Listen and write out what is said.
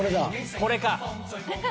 これか。